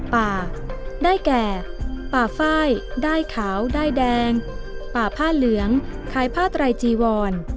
ป่าได้แก่ป่าไฟด้ายขาวด้ายแดงป่าผ้าเหลืองขายผ้าไตรจีวร